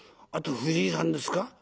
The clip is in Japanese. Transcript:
あんた藤井さんですか？」。